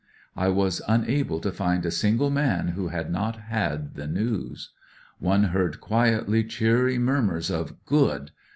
I was unable to find a single man who had not had the news. One heard quietly cheery murmurs of "Good!"